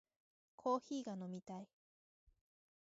コーヒーが飲みたい